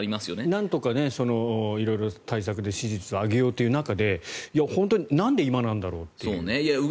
なんとか色々対策で支持率を上げようという中で本当になんで今なんだろうっていう。